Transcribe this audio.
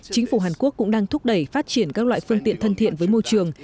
chính phủ hàn quốc cũng đang thúc đẩy phát triển các loại phương tiện thân thiện với môi trường